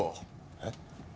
えっ！？